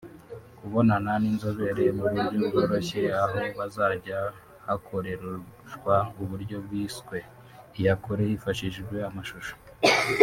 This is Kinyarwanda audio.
Kubonana n’inzobere mu buryo bworoshye aho hazajya hakoreshwa uburyo bwiswe iyakure hifashishijwe amashusho